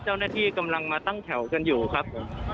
เจ้าหน้าที่กำลังมาตั้งแถวกันอยู่ครับผม